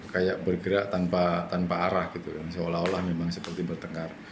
kayak bergerak tanpa arah gitu kan seolah olah memang seperti bertengkar